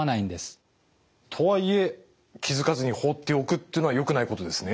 とはいえ気付かずに放っておくというのはよくないことですね。